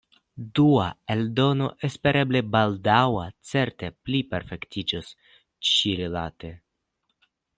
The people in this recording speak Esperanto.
Dua eldono, espereble baldaŭa, certe pliperfektiĝos ĉirilate.